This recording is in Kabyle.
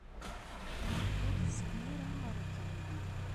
Ur t-tteqqen ara ɣer uqerruy-im.